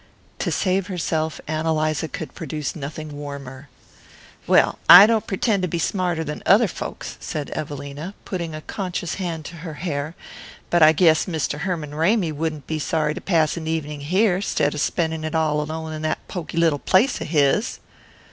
To save herself, Ann Eliza could produce nothing warmer. "Well, I don't pretend to be smarter than other folks," said Evelina, putting a conscious hand to her hair, "but I guess Mr. Herman Ramy wouldn't be sorry to pass an evening here, 'stead of spending it all alone in that poky little place of his."